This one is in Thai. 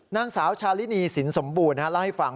นางสาวชาลินีสินสมบูรณ์เล่าให้ฟัง